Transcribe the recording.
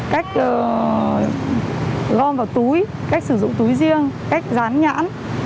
cách gom vào túi cách sử dụng túi riêng cách rán nhãn